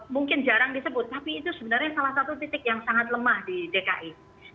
mungkin jarang disebut tapi itu sebenarnya salah satu titik yang sangat lemah di dki